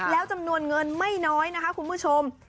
แล้วจำนวนเงินไม่น้อยนะคะคุณผู้ชม